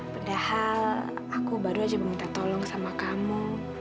padahal aku baru aja mau minta tolong sama kamu